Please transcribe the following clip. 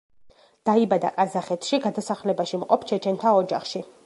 დაიბადა ყაზახეთში გადასახლებაში მყოფ ჩეჩენთა ოჯახში.